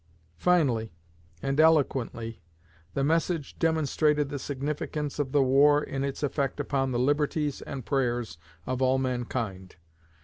Finally, and eloquently, the message demonstrated the significance of the war in its effect upon the liberties and prayers of all mankind.